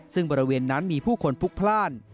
ซึ่งบริเวณนั้นมีผู้คนพลุกพลาด